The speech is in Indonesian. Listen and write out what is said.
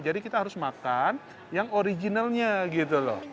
jadi kita harus makan yang originalnya gitu loh